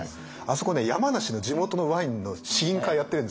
あそこね山梨の地元のワインの試飲会やってるんですよ。